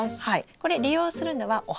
これ利用するのはお花です